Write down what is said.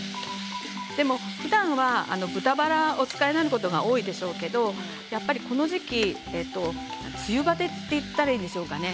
でも、ふだんは豚バラをお使いになることが多いでしょうけれどやっぱりこの時期梅雨バテと言ったらいいんでしょうかね。